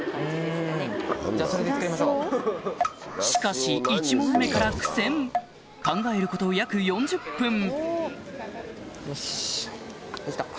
しかし１問目から苦戦考えること約４０分